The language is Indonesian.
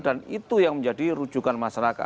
itu yang menjadi rujukan masyarakat